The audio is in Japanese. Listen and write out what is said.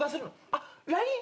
あっＬＩＮＥ？